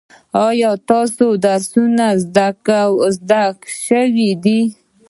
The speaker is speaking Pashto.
ایا ستاسو درسونه زده شوي دي؟